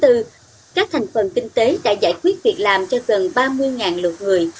ủng phần kinh tế đã giải quyết việc làm cho gần ba mươi lượt người